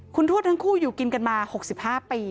คุณทวดทั้งคู่อยู่กินกันมา๖๕ปี